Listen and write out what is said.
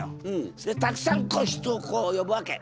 それでたくさん人をこう呼ぶわけ。